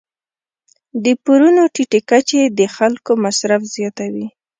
د پورونو ټیټې کچې د خلکو مصرف زیاتوي.